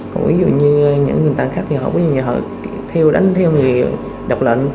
còn ví dụ như những người khác thì họ đánh theo người độc lận